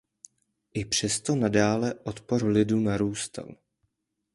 I přesto nadále odpor lidu narůstal.